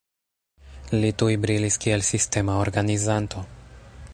Li tuj brilis kiel sistema organizanto.